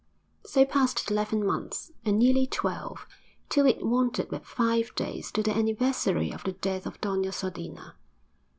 So passed eleven months, and nearly twelve, till it wanted but five days to the anniversary of the death of Doña Sodina.